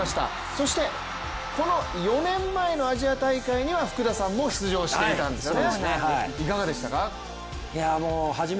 そして、この４年前のアジア大会には福田さんも出場していたんですよね。